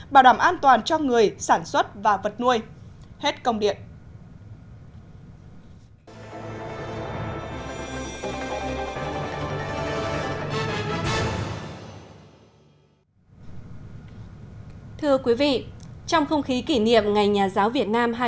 bảo đảm an toàn cho người sản xuất và vật nuôi